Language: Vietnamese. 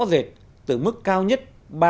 giảm rõ rệt từ mức cao nhất